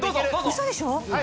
ウソでしょ！？